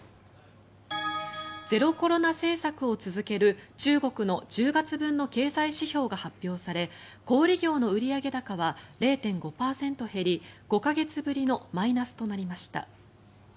ゼロコロナ政策を続ける中国の１０月分の経済指標が発表され小売業の売上高は０．５％減り５か月ぶりのマイナスとなりました。